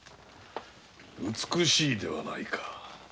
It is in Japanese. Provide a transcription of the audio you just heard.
美しいではないか？